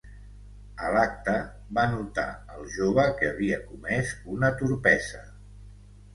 A l'acte va notar el jove que havia comès una torpesa